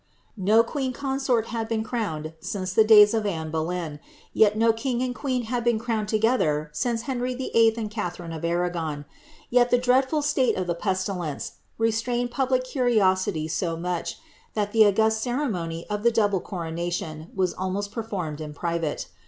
No queen consort had been crowned since the days of Anne Boleyn ; yet no king and queen had been crowned together, since Henry VHI. and Katharine of Arragon ; yet the dreadful state of the pestilence, restrained public curiosity so much, that the august ceremony of the double coro nation was almost performed in private.